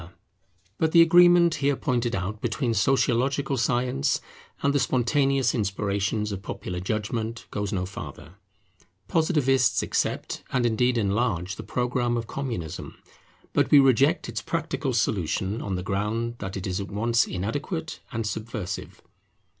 Property is to be controlled by moral not legal agencies] But the agreement here pointed out the between sociological science and the spontaneous inspirations of popular judgment, goes no farther. Positivists accept, and indeed enlarge, the programme of Communism; but we reject its practical solution on the ground that it is at once inadequate and subversive.